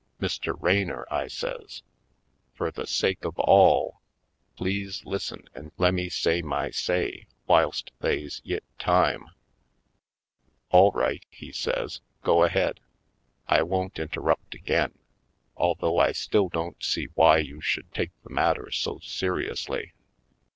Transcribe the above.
Mr. Raj^nor," I says, "fur the sakes of all, please lis'sen an' lemme say my say whilst they's yit time I" "All right," he says; "go ahead. I won't interrupt again, although I still don't see why you should take the matter so seri ously."